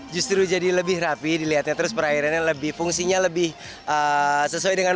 justru jadi lebih rapi dilihatnya terus perairannya lebih fungsinya lebih sesuai dengan